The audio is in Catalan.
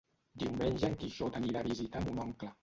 Diumenge en Quixot anirà a visitar mon oncle.